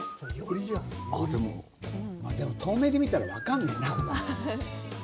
でも遠目で見たらわかんねえな。